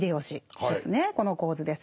この構図です。